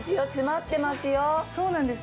そうなんです。